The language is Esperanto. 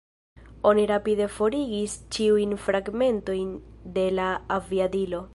Oni rapide forigis ĉiujn fragmentojn de la aviadilo.